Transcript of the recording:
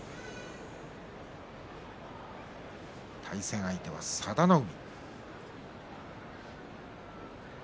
対戦相手は佐田の海。